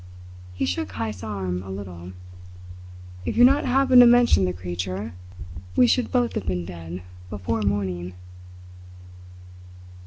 He shook Heyst's arm a little. "If you had not happened to mention the creature, we should both have been dead before morning.